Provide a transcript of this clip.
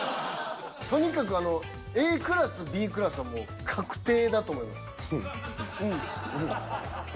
とにかくＡクラスＢクラスはもう確定だと思います。